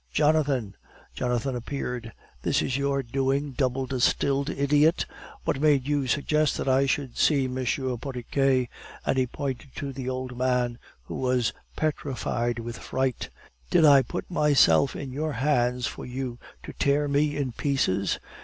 Jonathan!" Jonathan appeared. "This is your doing, double distilled idiot! What made you suggest that I should see M. Porriquet?" and he pointed to the old man, who was petrified with fright. "Did I put myself in your hands for you to tear me in pieces?